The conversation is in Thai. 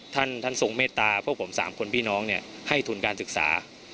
ท่านทรงเมตตาพวกผม๓คนพี่น้องให้ทุนการศึกษา